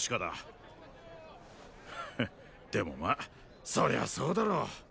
へっでもまァそりゃそうだろ。